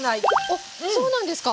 あっそうなんですか。